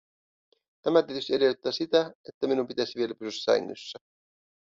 Tämä tietysti edellyttää sitä, että minun pitäisi vielä pysyä sängyssä.